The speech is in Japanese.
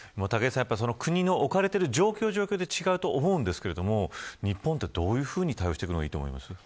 国の置かれている状況で違うと思いますが日本はどういうふうに対応していくのがいいと思いますか。